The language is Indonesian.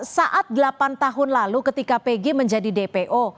saat delapan tahun lalu ketika pg menjadi dpo